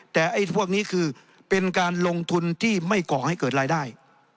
แต่ไอ้พวกนี้คือเป็นการลงทุนที่ไม่ก่อให้เกิดรายได้